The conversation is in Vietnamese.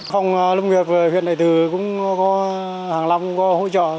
không lúc nghiệp huyện đại từ cũng có hàng năm hỗ trợ